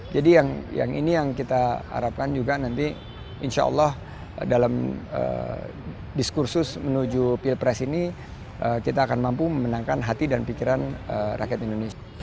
jadi yang ini yang kita harapkan juga nanti insya allah dalam diskursus menuju pilpres ini kita akan mampu memenangkan hati dan pikiran rakyat indonesia